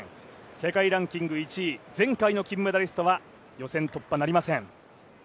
世界ランキング１位、前回の金メダリストは予選突破なりません。